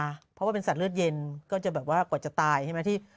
เพราะว่าเป็นสัตว์เลือดเย็นก็จะแบบว่ากว่าจะตายใช่ไหมที่